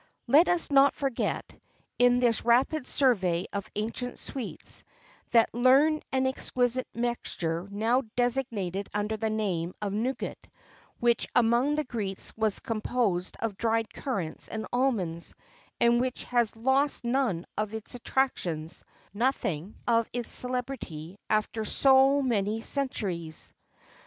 [XXIV 14] Let us not forget, in this rapid survey of ancient sweets, that learned and exquisite mixture now designated under the name of Nougat, which, among the Greeks was composed of dried currants and almonds, and which has lost none of its attractions, nothing of its celebrity, after so many centuries.